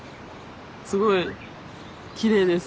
すごいきれいです。